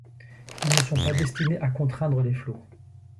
Ils ne sont pas destinés à contraindre les flots.